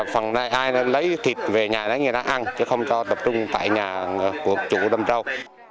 phần ai lấy thịt về nhà người đó ăn chứ không cho tập trung tại nhà của chủ đâm châu